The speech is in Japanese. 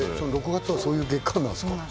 ６月はそういう月間なんですね。